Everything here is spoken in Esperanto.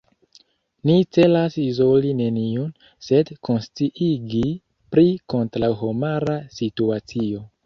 Ni celas izoli neniun, sed konsciigi pri kontraŭhomara situacio.